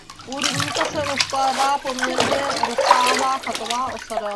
U rybníka se rozkládá poměrně rozsáhlá "chatová osada".